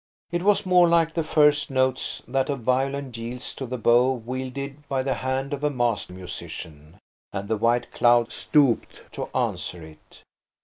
It was more like the first notes that a violin yields to the bow wielded by the hand of a master musician. And the white clouds stooped to answer it.